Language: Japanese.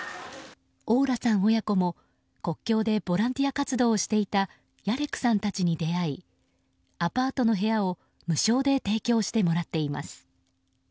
オーラさん親子も、国境でボランティア活動をしていたヤレクさんたちに出会いアパートの部屋を無償で提供してもらっています。